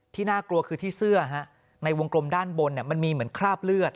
น่ากลัวคือที่เสื้อในวงกลมด้านบนมันมีเหมือนคราบเลือด